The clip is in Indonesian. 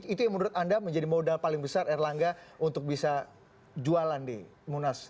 itu yang menurut anda menjadi modal paling besar erlangga untuk bisa jualan di munas